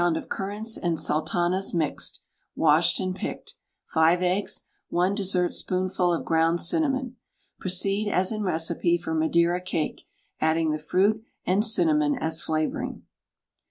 of currants and sultanas mixed (washed and picked) 5 eggs, 1 dessertspoonful of ground cinnamon. Proceed as in recipe for "Madeira Cake," adding the fruit, and cinnamon as flavouring.